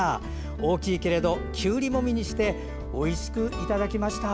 大きいけれどきゅうりもみにしておいしくいただきました。